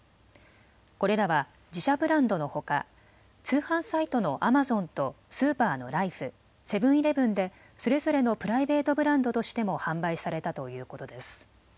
これらは自社ブランドのほか通販サイトのアマゾンとスーパーのライフ、セブン‐イレブンでそれぞれのプライベートブランドとしても販売されたということです。